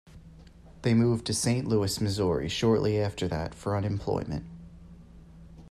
They moved to Saint Louis Missouri shortly after that for employment.